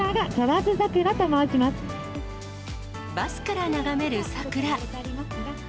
バスから眺める桜。